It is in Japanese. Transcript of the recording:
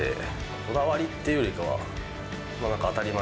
こだわりっていうよりかは、なんか当たり前。